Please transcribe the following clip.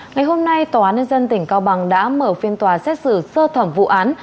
ngày hôm nay tòa án nhân dân tỉnh cao bằng đã mở phiên tòa xét xử sơ thẩm vụ án